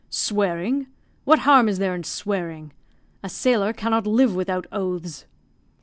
"Swearing! What harm is there in swearing? A sailor cannot live without oaths."